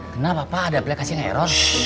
kenapa pak ada aplikasi yang error